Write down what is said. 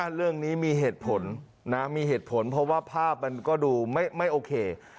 เรื่องนี้มีเหตุผลนะมีเหตุผลเพราะว่าภาพมันก็ดูไม่โอเค